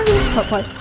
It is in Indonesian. aduh pak mai